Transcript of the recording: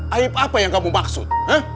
aib apa yang kamu maksud